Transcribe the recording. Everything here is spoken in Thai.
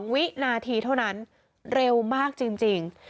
วินาทีเท่านั้นเร็วมากจริง